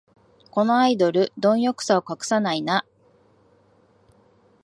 このアイドル、どん欲さを隠さないな